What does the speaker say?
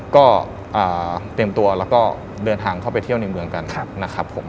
ก็เตรียมตัวแล้วก็เดินทางเข้าไปเที่ยวในเมืองกันนะครับผม